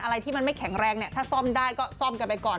อะไรที่มันไม่แข็งแรงเนี่ยถ้าซ่อมได้ก็ซ่อมกันไปก่อน